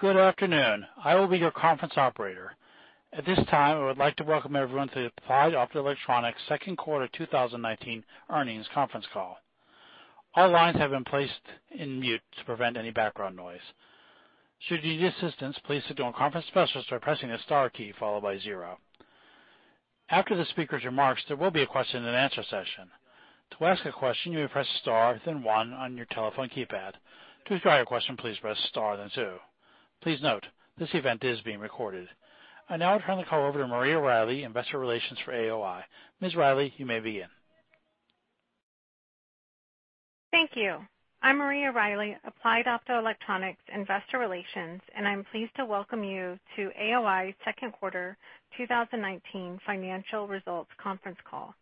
Good afternoon. I will be your conference operator. At this time, I would like to welcome everyone to the Applied Optoelectronics second quarter 2019 earnings conference call. All lines have been placed in mute to prevent any background noise. Should you need assistance, please signal a conference specialist by pressing the star key followed by zero. After the speaker's remarks, there will be a question and answer session. To ask a question, you may press star, then one on your telephone keypad. To withdraw your question, please press star, then two. Please note, this event is being recorded. I now turn the call over to Maria Riley, investor relations for AOI. Ms. Riley, you may begin. Thank you. I'm Maria Riley, Applied Optoelectronics investor relations, and I'm pleased to welcome you to AOI's second quarter 2019 financial results conference call.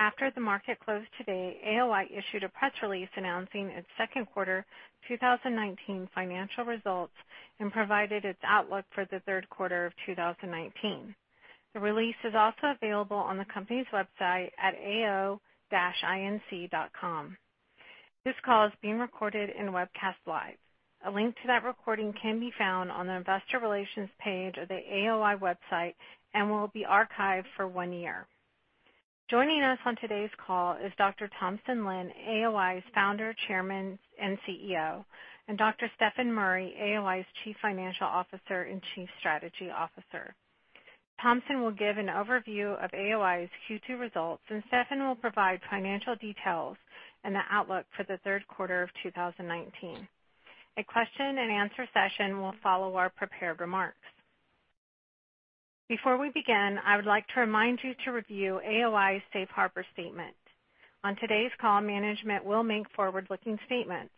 After the market closed today, AOI issued a press release announcing its second quarter 2019 financial results and provided its outlook for the third quarter of 2019. The release is also available on the company's website at ao-inc.com. This call is being recorded and webcast live. A link to that recording can be found on the investor relations page of the AOI website and will be archived for one year. Joining us on today's call is Dr. Thompson Lin, AOI's Founder, Chairman, and CEO, and Dr. Stefan Murry, AOI's Chief Financial Officer and Chief Strategy Officer. Thompson will give an overview of AOI's Q2 results, and Stefan will provide financial details and the outlook for the third quarter of 2019. A question and answer session will follow our prepared remarks. Before we begin, I would like to remind you to review AOI's Safe Harbor statement. On today's call, management will make forward-looking statements.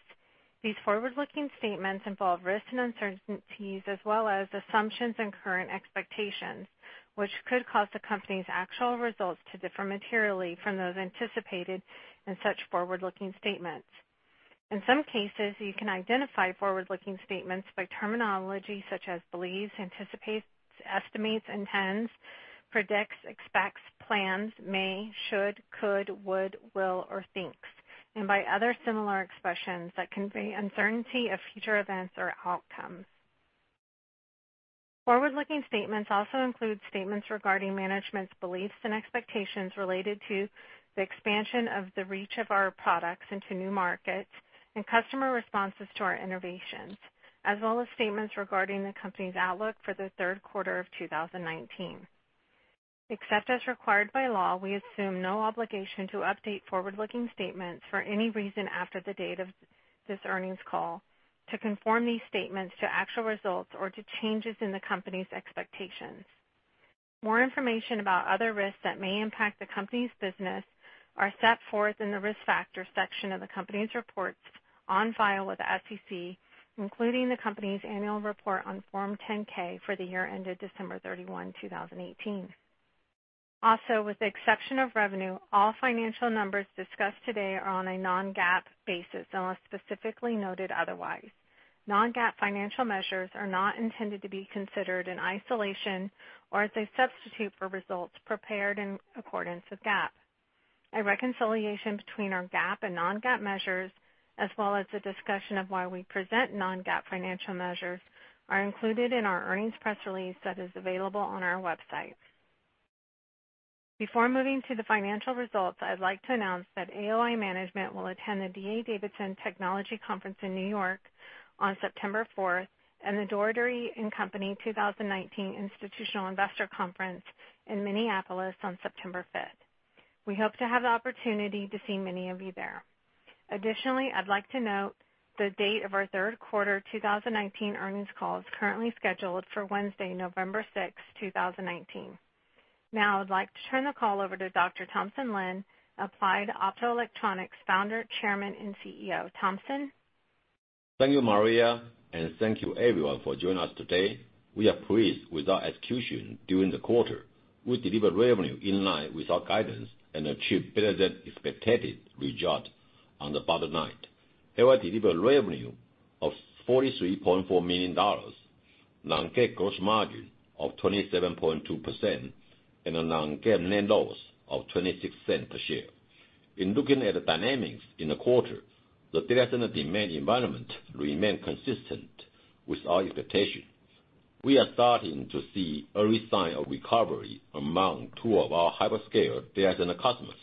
These forward-looking statements involve risks and uncertainties, as well as assumptions and current expectations, which could cause the company's actual results to differ materially from those anticipated in such forward-looking statements. In some cases, you can identify forward-looking statements by terminology such as believes, anticipates, estimates, intends, predicts, expects, plans, may, should, could, would, will, or thinks, and by other similar expressions that convey uncertainty of future events or outcomes. Forward-looking statements also include statements regarding management's beliefs and expectations related to the expansion of the reach of our products into new markets and customer responses to our innovations, as well as statements regarding the company's outlook for the third quarter of 2019. Except as required by law, we assume no obligation to update forward-looking statements for any reason after the date of this earnings call to conform these statements to actual results or to changes in the company's expectations. More information about other risks that may impact the company's business are set forth in the Risk Factors section of the company's reports on file with the SEC, including the company's annual report on Form 10-K for the year ended December 31, 2018. Also, with the exception of revenue, all financial numbers discussed today are on a non-GAAP basis unless specifically noted otherwise. Non-GAAP financial measures are not intended to be considered in isolation or as a substitute for results prepared in accordance with GAAP. A reconciliation between our GAAP and non-GAAP measures, as well as a discussion of why we present non-GAAP financial measures, are included in our earnings press release that is available on our website. Before moving to the financial results, I'd like to announce that AOI management will attend the D.A. Davidson Technology Conference in New York on September 4, and the Dougherty & Company 2019 Institutional Investor Conference in Minneapolis on September 5. We hope to have the opportunity to see many of you there. Additionally, I'd like to note the date of our third quarter 2019 earnings call is currently scheduled for Wednesday, November 6, 2019. Now I'd like to turn the call over to Dr. Thompson Lin, Applied Optoelectronics Founder, Chairman, and CEO. Thompson? Thank you, Maria, and thank you everyone for joining us today. We are pleased with our execution during the quarter. We delivered revenue in line with our guidance and achieved better-than-expected results on the bottom line. AOI delivered revenue of $43.4 million, non-GAAP gross margin of 27.2%, and a non-GAAP net loss of $0.26 per share. In looking at the dynamics in the quarter, the data center demand environment remained consistent with our expectations. We are starting to see early signs of recovery among two of our hyperscale data center customers.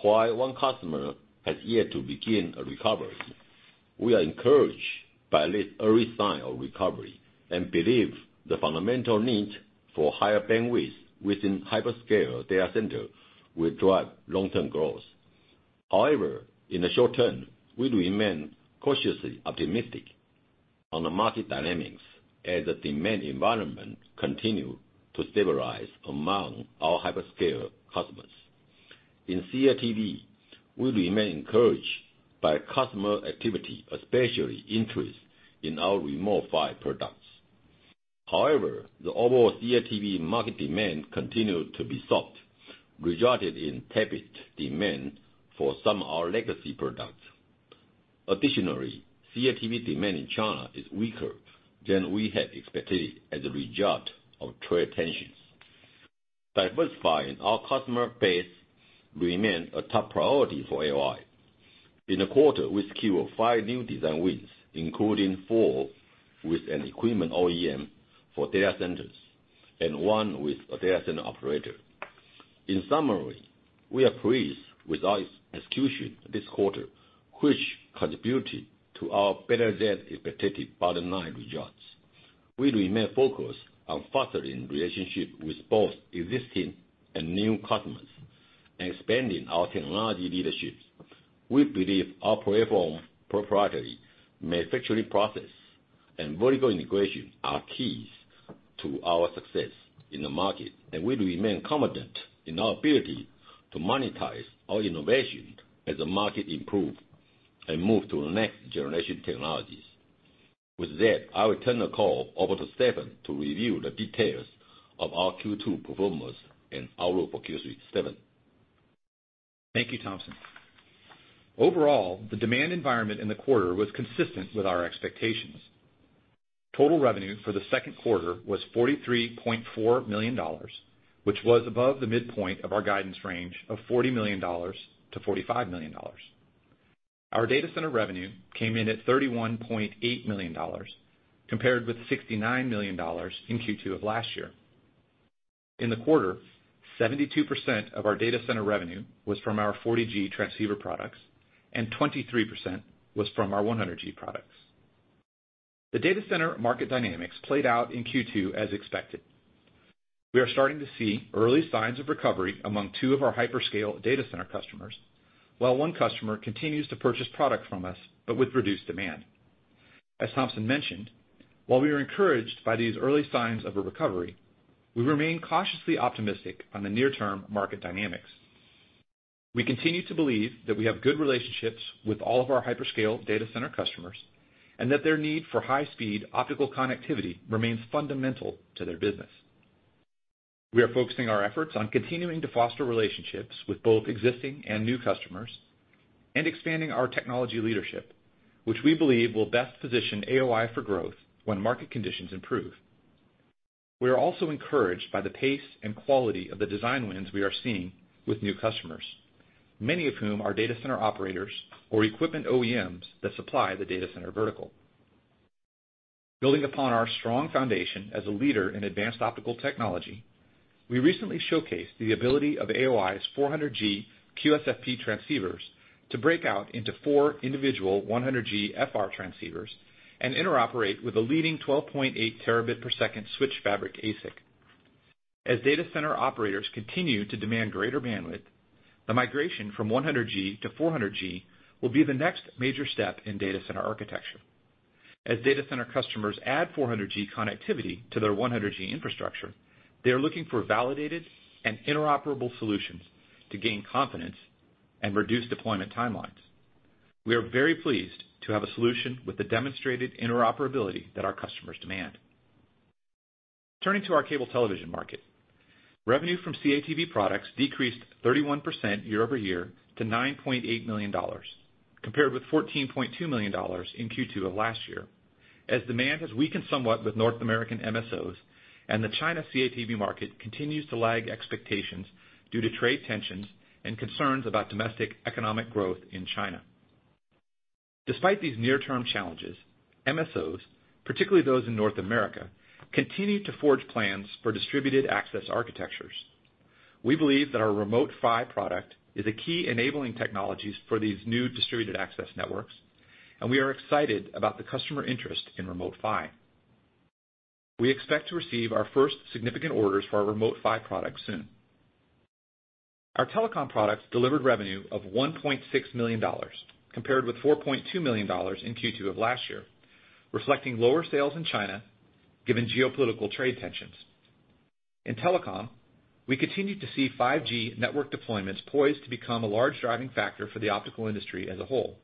While one customer has yet to begin a recovery, we are encouraged by this early sign of recovery and believe the fundamental need for higher bandwidth within hyperscale data centers will drive long-term growth. However, in the short term, we remain cautiously optimistic on the market dynamics as the demand environment continue to stabilize among our hyperscale customers. In CATV, we remain encouraged by customer activity, especially interest in our Remote PHY products. However, the overall CATV market demand continued to be soft, resulting in tepid demand for some of our legacy products. CATV demand in China is weaker than we had expected as a result of trade tensions. Diversifying our customer base remain a top priority for AOI. In the quarter, we secured five new design wins, including four with an equipment OEM for data centers and one with a data center operator. In summary, we are pleased with our execution this quarter, which contributed to our better-than-expected bottom line results. We remain focused on fostering relationships with both existing and new customers and expanding our technology leadership. We believe our platform proprietary manufacturing process and vertical integration are keys to our success in the market, and we remain confident in our ability to monetize our innovation as the market improve and move to the next generation technologies. With that, I will turn the call over to Stefan to review the details of our Q2 performance and outlook for Q3. Stefan? Thank you, Thompson. Overall, the demand environment in the quarter was consistent with our expectations. Total revenue for the second quarter was $43.4 million, which was above the midpoint of our guidance range of $40 million to $45 million. Our data center revenue came in at $31.8 million, compared with $69 million in Q2 of last year. In the quarter, 72% of our data center revenue was from our 40G transceiver products, and 23% was from our 100G products. The data center market dynamics played out in Q2 as expected. We are starting to see early signs of recovery among two of our hyperscale data center customers, while one customer continues to purchase product from us, but with reduced demand. As Thompson mentioned, while we are encouraged by these early signs of a recovery, we remain cautiously optimistic on the near term market dynamics. We continue to believe that we have good relationships with all of our hyperscale data center customers, and that their need for high-speed optical connectivity remains fundamental to their business. We are focusing our efforts on continuing to foster relationships with both existing and new customers and expanding our technology leadership, which we believe will best position AOI for growth when market conditions improve. We are also encouraged by the pace and quality of the design wins we are seeing with new customers, many of whom are data center operators or equipment OEMs that supply the data center vertical. Building upon our strong foundation as a leader in advanced optical technology, we recently showcased the ability of AOI's 400G QSFP transceivers to break out into four individual 100G FR transceivers and interoperate with a leading 12.8 terabit per second switch fabric ASIC. As data center operators continue to demand greater bandwidth, the migration from 100G to 400G will be the next major step in data center architecture. As data center customers add 400G connectivity to their 100G infrastructure, they are looking for validated and interoperable solutions to gain confidence and reduce deployment timelines. We are very pleased to have a solution with the demonstrated interoperability that our customers demand. Turning to our cable television market. Revenue from CATV products decreased 31% year-over-year to $9.8 million, compared with $14.2 million in Q2 of last year, as demand has weakened somewhat with North American MSOs and the China CATV market continues to lag expectations due to trade tensions and concerns about domestic economic growth in China. Despite these near-term challenges, MSOs, particularly those in North America, continue to forge plans for distributed access architectures. We believe that our Remote PHY product is a key enabling technologies for these new distributed access networks, and we are excited about the customer interest in Remote PHY. We expect to receive our first significant orders for our Remote PHY product soon. Our telecom products delivered revenue of $1.6 million, compared with $4.2 million in Q2 of last year, reflecting lower sales in China given geopolitical trade tensions. In telecom, we continue to see 5G network deployments poised to become a large driving factor for the optical industry as a whole.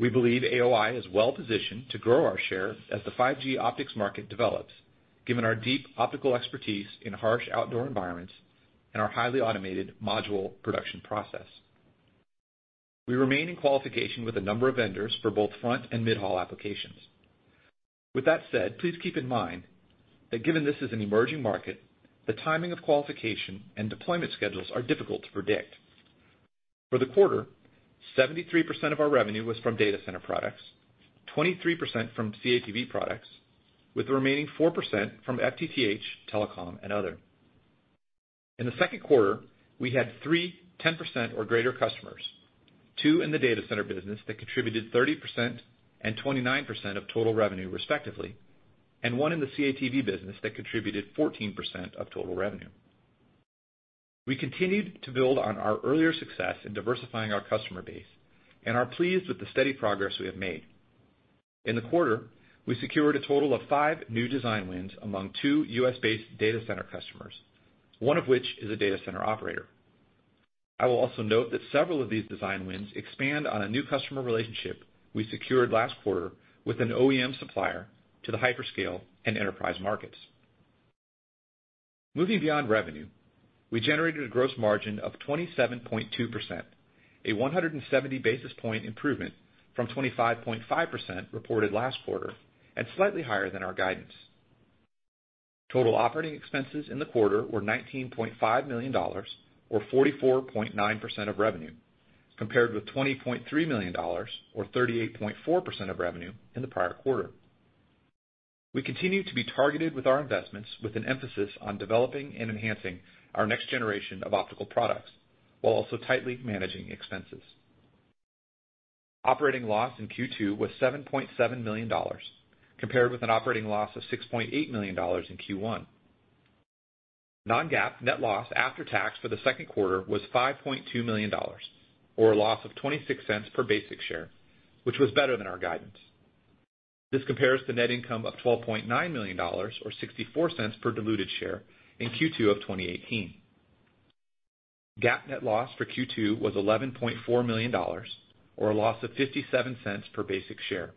We believe AOI is well-positioned to grow our share as the 5G optics market develops, given our deep optical expertise in harsh outdoor environments and our highly automated module production process. We remain in qualification with a number of vendors for both front and mid-haul applications. With that said, please keep in mind that given this is an emerging market, the timing of qualification and deployment schedules are difficult to predict. For the quarter, 73% of our revenue was from data center products, 23% from CATV products, with the remaining 4% from FTTH, telecom, and other. In the second quarter, we had three 10% or greater customers. Two in the data center business that contributed 30% and 29% of total revenue respectively, and one in the CATV business that contributed 14% of total revenue. We continued to build on our earlier success in diversifying our customer base and are pleased with the steady progress we have made. In the quarter, we secured a total of five new design wins among two U.S.-based data center customers, one of which is a data center operator. I will also note that several of these design wins expand on a new customer relationship we secured last quarter with an OEM supplier to the hyperscale and enterprise markets. Moving beyond revenue, we generated a gross margin of 27.2%. A 170 basis point improvement from 25.5% reported last quarter, and slightly higher than our guidance. Total operating expenses in the quarter were $19.5 million, or 44.9% of revenue, compared with $20.3 million, or 38.4% of revenue in the prior quarter. We continue to be targeted with our investments, with an emphasis on developing and enhancing our next generation of optical products, while also tightly managing expenses. Operating loss in Q2 was $7.7 million, compared with an operating loss of $6.8 million in Q1. Non-GAAP net loss after tax for the second quarter was $5.2 million, or a loss of $0.26 per basic share, which was better than our guidance. This compares to net income of $12.9 million or $0.64 per diluted share in Q2 of 2018. GAAP net loss for Q2 was $11.4 million, or a loss of $0.57 per basic share,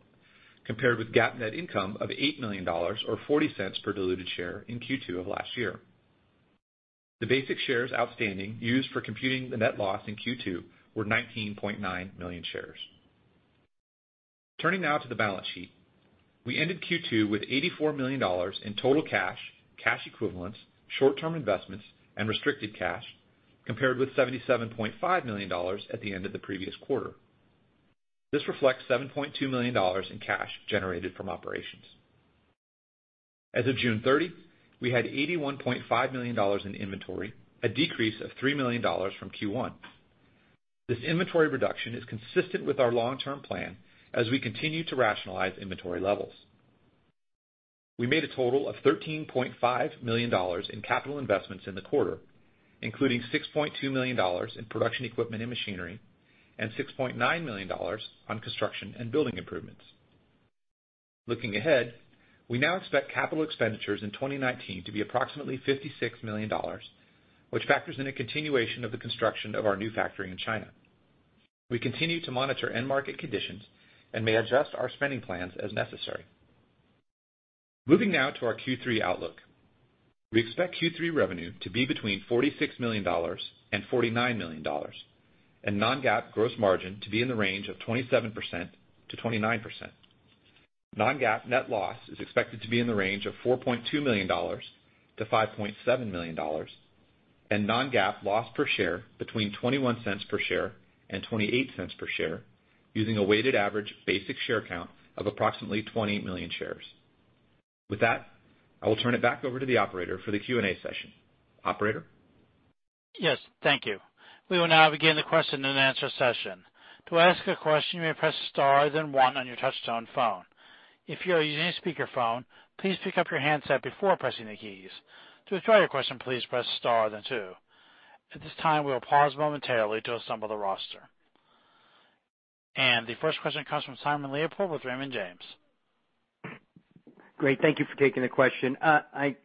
compared with GAAP net income of $8 million or $0.40 per diluted share in Q2 of last year. The basic shares outstanding used for computing the net loss in Q2 were 19.9 million shares. Turning now to the balance sheet. We ended Q2 with $84 million in total cash equivalents, short-term investments and restricted cash, compared with $77.5 million at the end of the previous quarter. This reflects $7.2 million in cash generated from operations. As of June 30, we had $81.5 million in inventory, a decrease of $3 million from Q1. This inventory reduction is consistent with our long-term plan as we continue to rationalize inventory levels. We made a total of $13.5 million in capital investments in the quarter, including $6.2 million in production equipment and machinery and $6.9 million on construction and building improvements. Looking ahead, we now expect capital expenditures in 2019 to be approximately $56 million, which factors in a continuation of the construction of our new factory in China. We continue to monitor end market conditions and may adjust our spending plans as necessary. Moving now to our Q3 outlook. We expect Q3 revenue to be between $46 million and $49 million, and non-GAAP gross margin to be in the range of 27%-29%. Non-GAAP net loss is expected to be in the range of $4.2 million-$5.7 million and non-GAAP loss per share between $0.21 per share and $0.28 per share, using a weighted average basic share count of approximately 20 million shares. With that, I will turn it back over to the operator for the Q&A session. Operator? Yes. Thank you. We will now begin the question and answer session. To ask a question, you may press star then one on your touchtone phone. If you are using a speakerphone, please pick up your handset before pressing the keys. To withdraw your question, please press star then two. At this time, we will pause momentarily to assemble the roster. The first question comes from Simon Leopold with Raymond James. Great. Thank you for taking the question.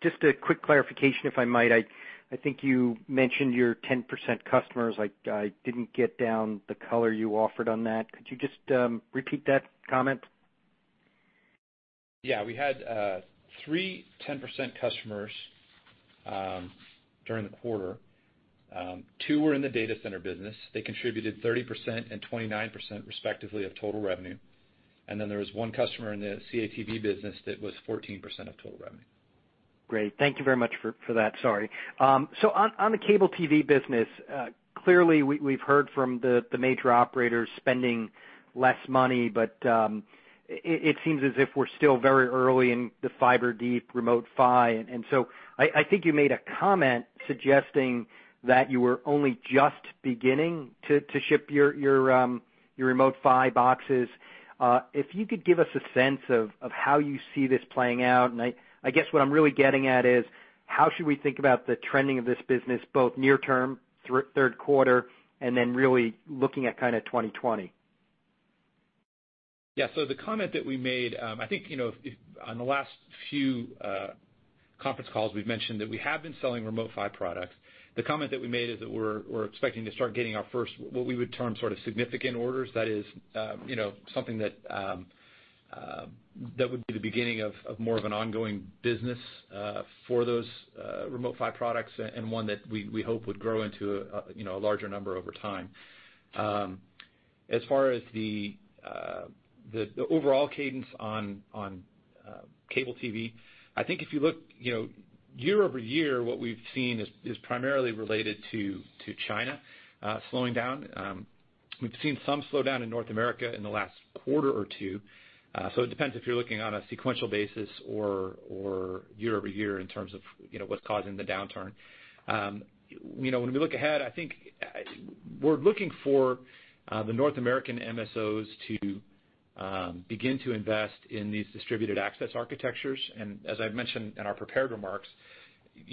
Just a quick clarification, if I might. I think you mentioned your 10% customers. I didn't get down the color you offered on that. Could you just repeat that comment? Yeah. We had three 10% customers during the quarter. Two were in the data center business. They contributed 30% and 29%, respectively, of total revenue. There was one customer in the CATV business that was 14% of total revenue. Great. Thank you very much for that. Sorry. On the CATV business, clearly we've heard from the major operators spending less money, but it seems as if we're still very early in the fiber deep Remote PHY. I think you made a comment suggesting that you were only just beginning to ship your Remote PHY boxes. If you could give us a sense of how you see this playing out, and I guess what I'm really getting at is how should we think about the trending of this business, both near term, third quarter, and then really looking at kind of 2020? Yeah. The comment that we made, I think, on the last few conference calls, we've mentioned that we have been selling Remote PHY products. The comment that we made is that we're expecting to start getting our first, what we would term sort of significant orders. That is something that would be the beginning of more of an ongoing business for those Remote PHY products and one that we hope would grow into a larger number over time. As far as the overall cadence on cable TV, I think if you look year-over-year, what we've seen is primarily related to China slowing down. We've seen some slowdown in North America in the last quarter or two. It depends if you're looking on a sequential basis or year-over-year in terms of what's causing the downturn. I think we're looking for the North American MSOs to begin to invest in these distributed access architectures. As I've mentioned in our prepared remarks,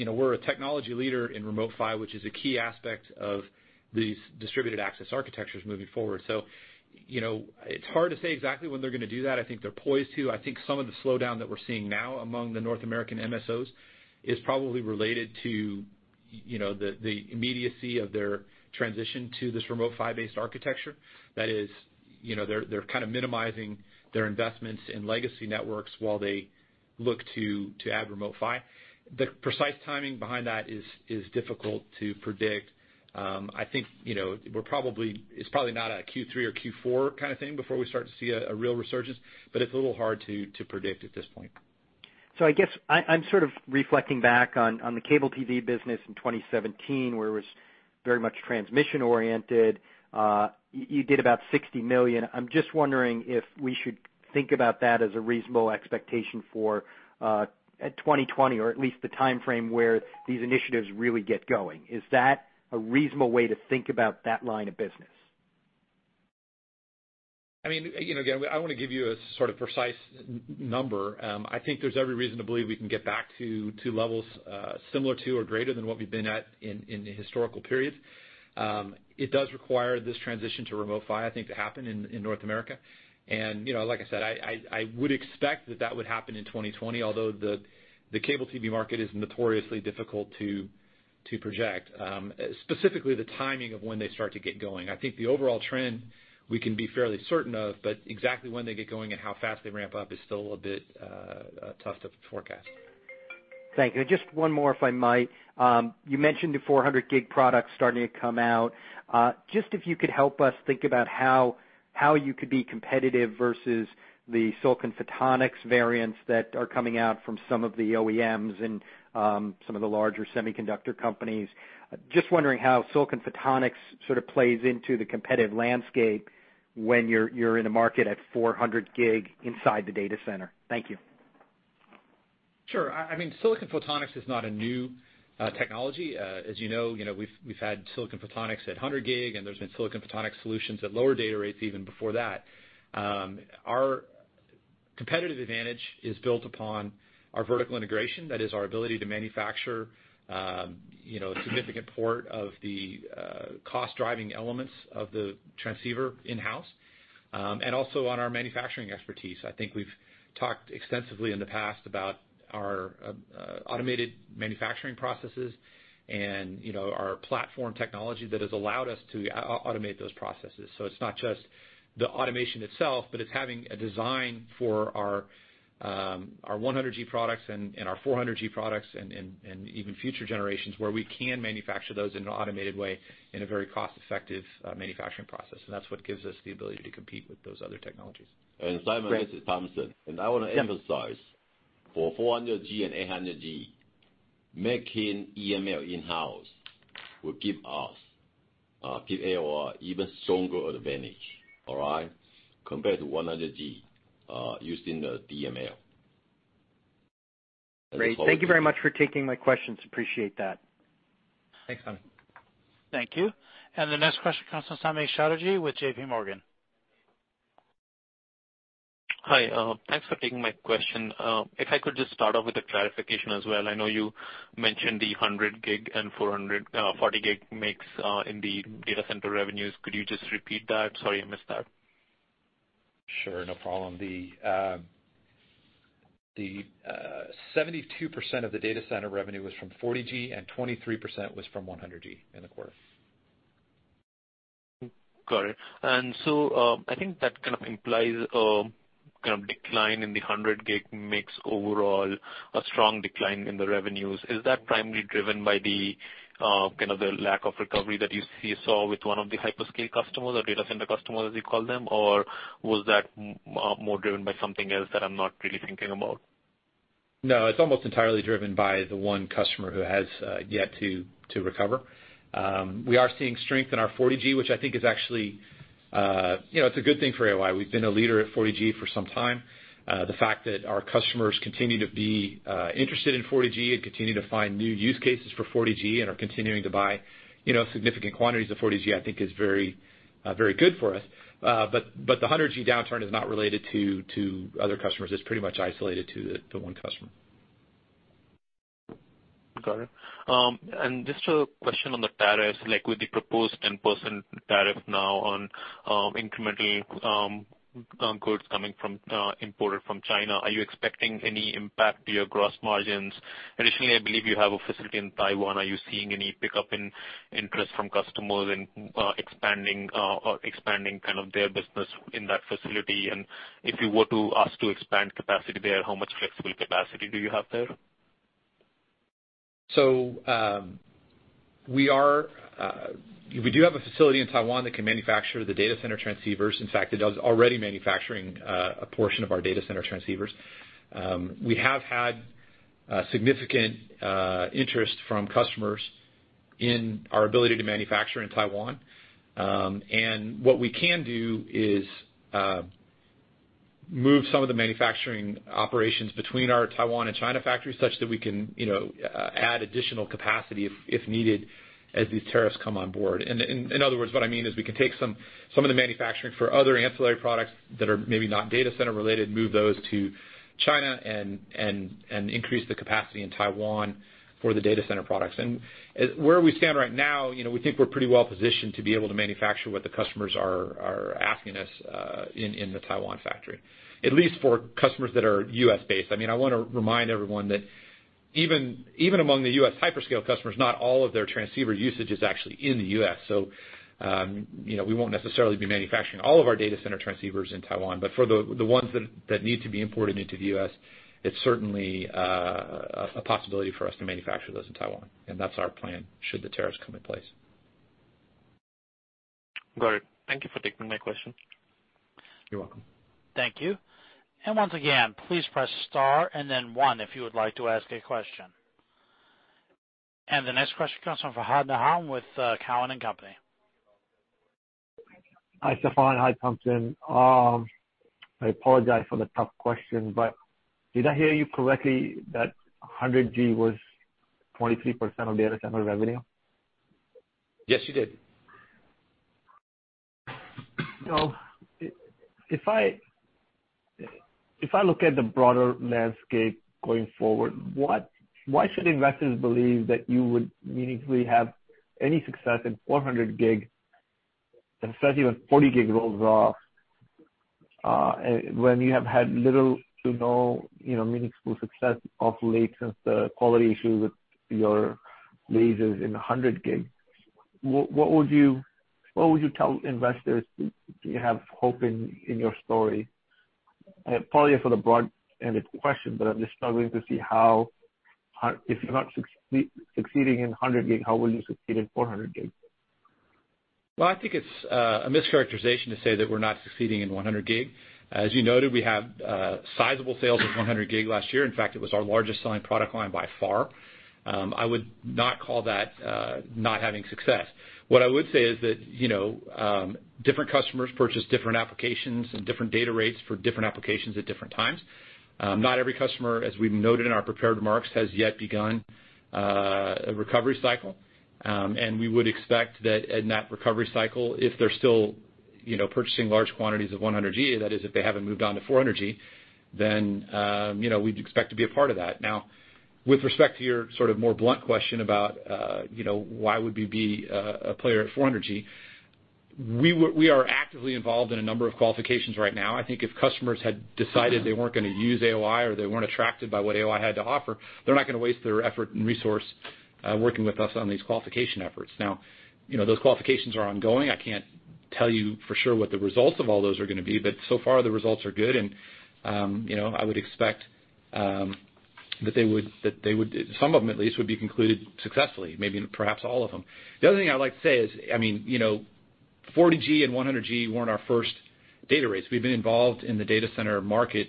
we're a technology leader in Remote PHY, which is a key aspect of these distributed access architectures moving forward. It's hard to say exactly when they're going to do that. I think they're poised to. I think some of the slowdown that we're seeing now among the North American MSOs is probably related to the immediacy of their transition to this Remote PHY-based architecture. They're kind of minimizing their investments in legacy networks while they look to add Remote PHY. The precise timing behind that is difficult to predict. I think it's probably not a Q3 or Q4 kind of thing before we start to see a real resurgence, but it's a little hard to predict at this point. I guess I'm sort of reflecting back on the cable TV business in 2017, where it was very much transmission oriented. You did about $60 million. I'm just wondering if we should think about that as a reasonable expectation for 2020 or at least the timeframe where these initiatives really get going. Is that a reasonable way to think about that line of business? Again, I don't want to give you a sort of precise number. I think there's every reason to believe we can get back to levels similar to or greater than what we've been at in the historical periods. It does require this transition to Remote PHY, I think, to happen in North America. Like I said, I would expect that that would happen in 2020, although the cable TV market is notoriously difficult to project, specifically the timing of when they start to get going. I think the overall trend we can be fairly certain of. Exactly when they get going and how fast they ramp up is still a little bit tough to forecast. Thank you. Just one more, if I might. You mentioned the 400G products starting to come out. Just if you could help us think about how you could be competitive versus the silicon photonics variants that are coming out from some of the OEMs and some of the larger semiconductor companies. Just wondering how silicon photonics sort of plays into the competitive landscape when you're in a market at 400G inside the data center. Thank you. Sure. Silicon photonics is not a new technology. As you know, we've had silicon photonics at 100G, and there's been silicon photonics solutions at lower data rates even before that. Our competitive advantage is built upon our vertical integration. That is our ability to manufacture a significant part of the cost-driving elements of the transceiver in-house, and also on our manufacturing expertise. I think we've talked extensively in the past about our automated manufacturing processes and our platform technology that has allowed us to automate those processes. It's not just the automation itself, but it's having a design for our 100G products and our 400G products and even future generations where we can manufacture those in an automated way in a very cost-effective manufacturing process. That's what gives us the ability to compete with those other technologies. Simon, this is Thompson. I want to emphasize for 400G and 800G, making EML in-house will give AOI even stronger advantage, all right, compared to 100G using the DML. Great. Thank you very much for taking my questions. Appreciate that. Thanks, Simon. Thank you. The next question comes from Samik Chatterjee with JP Morgan. Hi. Thanks for taking my question. If I could just start off with a clarification as well. I know you mentioned the 100G and 40G mix in the data center revenues. Could you just repeat that? Sorry, I missed that. Sure, no problem. The 72% of the data center revenue was from 40G and 23% was from 100G in the quarter. Got it. I think that kind of implies a decline in the 100G mix overall, a strong decline in the revenues. Is that primarily driven by the lack of recovery that you saw with one of the hyperscale customers or data center customers, as you call them, or was that more driven by something else that I'm not really thinking about? No, it's almost entirely driven by the one customer who has yet to recover. We are seeing strength in our 40G, which I think is actually a good thing for AOI. We've been a leader at 40G for some time. The fact that our customers continue to be interested in 40G and continue to find new use cases for 40G and are continuing to buy significant quantities of 40G, I think is very good for us. The 100G downturn is not related to other customers. It's pretty much isolated to the one customer. Got it. Just a question on the tariffs, like with the proposed 10% tariff now on incremental goods imported from China, are you expecting any impact to your gross margins? Additionally, I believe you have a facility in Taiwan. Are you seeing any pickup in interest from customers in expanding their business in that facility? If you were to ask to expand capacity there, how much flexible capacity do you have there? We do have a facility in Taiwan that can manufacture the data center transceivers. In fact, it is already manufacturing a portion of our data center transceivers. We have had significant interest from customers in our ability to manufacture in Taiwan. What we can do is move some of the manufacturing operations between our Taiwan and China factories such that we can add additional capacity if needed as these tariffs come on board. In other words, what I mean is we can take some of the manufacturing for other ancillary products that are maybe not data center related, move those to China and increase the capacity in Taiwan for the data center products. Where we stand right now, we think we're pretty well positioned to be able to manufacture what the customers are asking us in the Taiwan factory, at least for customers that are U.S.-based. I want to remind everyone Even among the U.S. hyperscale customers, not all of their transceiver usage is actually in the U.S. We won't necessarily be manufacturing all of our data center transceivers in Taiwan. For the ones that need to be imported into the U.S., it's certainly a possibility for us to manufacture those in Taiwan, and that's our plan should the tariffs come in place. Got it. Thank you for taking my questions. You're welcome. Thank you. Once again, please press star and then one if you would like to ask a question. The next question comes from Fahad Najam with Cowen and Company. Hi, Stefan. Hi, Thompson. I apologize for the tough question, but did I hear you correctly that 100G was 23% of data center revenue? Yes, you did. If I look at the broader landscape going forward, why should investors believe that you would meaningfully have any success in 400G, especially when 40G rolls off, when you have had little to no meaningful success of late since the quality issue with your lasers in 100G? What would you tell investors to have hope in your story? Probably for the broad-ended question, but I'm just struggling to see how if you're not succeeding in 100G, how will you succeed in 400G? Well, I think it's a mischaracterization to say that we're not succeeding in 100G. As you noted, we have sizable sales of 100G last year. In fact, it was our largest selling product line by far. I would not call that not having success. What I would say is that different customers purchase different applications and different data rates for different applications at different times. Not every customer, as we've noted in our prepared remarks, has yet begun a recovery cycle. We would expect that in that recovery cycle, if they're still purchasing large quantities of 100G, that is, if they haven't moved on to 400G, then we'd expect to be a part of that. Now, with respect to your sort of more blunt question about why would we be a player at 400G, we are actively involved in a number of qualifications right now. I think if customers had decided they weren't going to use AOI or they weren't attracted by what AOI had to offer, they're not going to waste their effort and resource working with us on these qualification efforts. Now, those qualifications are ongoing. I can't tell you for sure what the results of all those are going to be, but so far, the results are good, and I would expect that some of them at least would be concluded successfully, maybe perhaps all of them. The other thing I'd like to say is, 40G and 100G weren't our first data rates. We've been involved in the data center market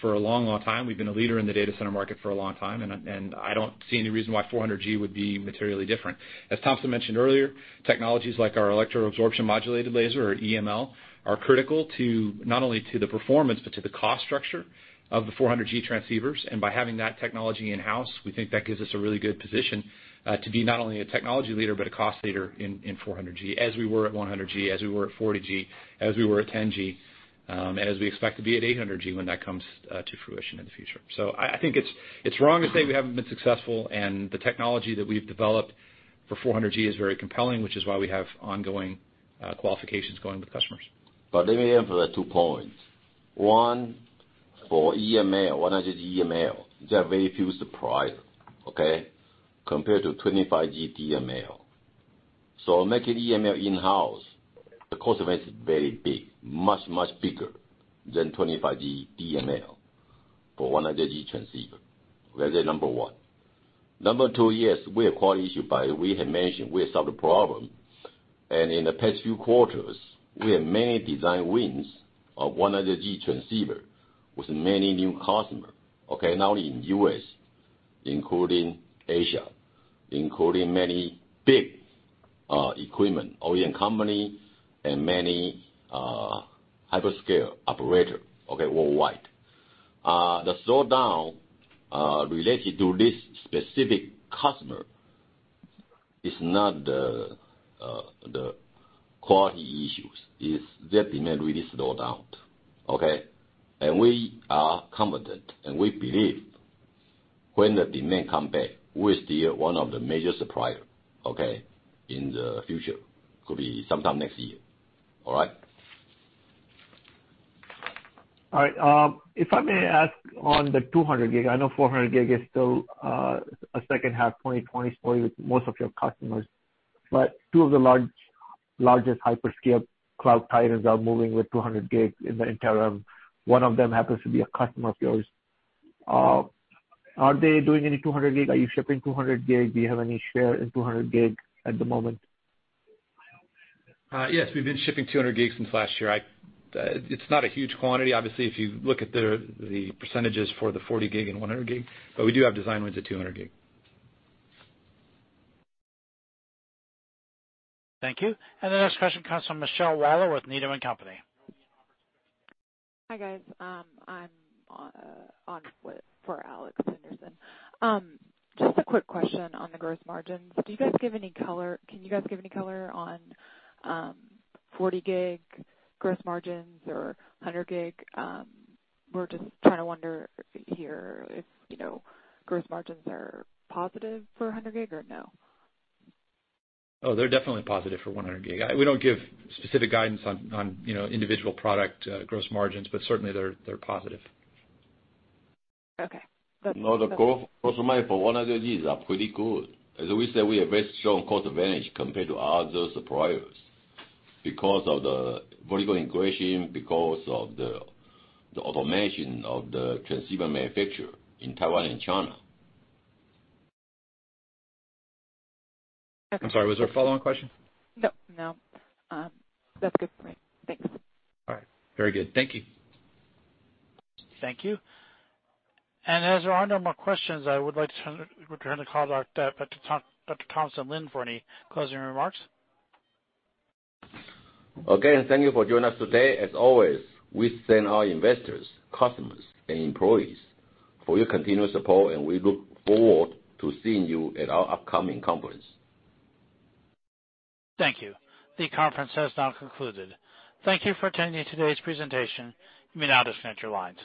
for a long time. We've been a leader in the data center market for a long time, and I don't see any reason why 400G would be materially different. As Thompson mentioned earlier, technologies like our electro absorption modulated laser or EML are critical to not only to the performance, but to the cost structure of the 400G transceivers. By having that technology in-house, we think that gives us a really good position to be not only a technology leader, but a cost leader in 400G, as we were at 100G, as we were at 40G, as we were at 10G, and as we expect to be at 800G when that comes to fruition in the future. I think it's wrong to say we haven't been successful, and the technology that we've developed for 400G is very compelling, which is why we have ongoing qualifications going with customers. Let me add for the two points. One, for EML, 100G EML, there are very few suppliers, okay, compared to 25G DML. Making EML in-house, the cost of it is very big, much, much bigger than 25G DML for 100G transceiver. That is number one. Number two, yes, we have quality issue, we have mentioned we have solved the problem. In the past few quarters, we have many design wins of 100G transceiver with many new customer, okay? Not only in U.S., including Asia, including many big equipment, OEM company, and many hyperscale operator, okay, worldwide. The slowdown related to this specific customer is not the quality issues. It's their demand really slowed down. Okay? We are confident, and we believe when the demand come back, we're still one of the major supplier, okay, in the future. Could be sometime next year. All right. All right. If I may ask on the 200G. I know 400G is still a second half 2020 story with most of your customers. Two of the largest hyperscale cloud titans are moving with 200G in the interim. One of them happens to be a customer of yours. Are they doing any 200G? Are you shipping 200G? Do you have any share in 200G at the moment? Yes. We've been shipping 200G since last year. It's not a huge quantity, obviously, if you look at the percentages for the 40G and 100G, but we do have design wins at 200G. Thank you. The next question comes from Michelle Walker with Needham & Company. Hi, guys. I'm on foot for Alex Henderson. Just a quick question on the gross margins. Can you guys give any color on 40G gross margins or 100G? We're just trying to wonder here if gross margins are positive for 100G or no. They're definitely positive for 100G. We don't give specific guidance on individual product gross margins. Certainly they're positive. Okay. The gross margin for 100G is pretty good. As we said, we have very strong cost advantage compared to other suppliers because of the vertical integration, because of the automation of the transceiver manufacturer in Taiwan and China. Okay. I'm sorry, was there a follow-on question? No. That's good for me. Thanks. All right. Very good. Thank you. Thank you. As there are no more questions, I would like to return the call back to Dr. Thompson Lin for any closing remarks. Again, thank you for joining us today. As always, we thank our investors, customers, and employees for your continuous support, and we look forward to seeing you at our upcoming conference. Thank you. The conference has now concluded. Thank you for attending today's presentation. You may now disconnect your lines.